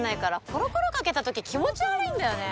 コロコロかけた時気持ち悪いんだよね。